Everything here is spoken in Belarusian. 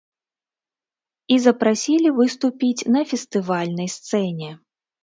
І запрасілі выступіць на фестывальнай сцэне.